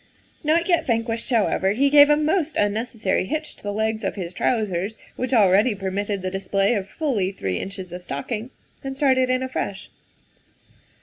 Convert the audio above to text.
Not yet van quished, however, he gave a most unnecessary hitch to the legs of his trousers, which already permitted the display of fully three inches of stocking, and started in afresh.